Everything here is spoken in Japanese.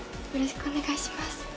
よろしくお願いします。